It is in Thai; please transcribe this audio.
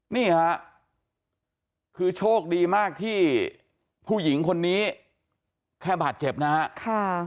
นี่ค่ะคือโชคดีมากที่ผู้หญิงคนนี้แค่บาดเจ็บนะฮะ